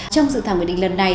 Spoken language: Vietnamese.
trong dự thảo kỵ định lần này